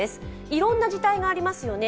いろんな字体がありますよね。